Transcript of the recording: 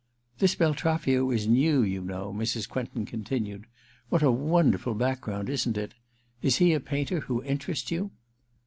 *This Beltraffio is new, you know,' Mrs. Quentin continued. * What a wonderful back ground, isn't it ? Is he a painter who interests you?'